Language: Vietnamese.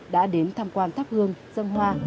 đã đến tham quan tháp hương dân hoa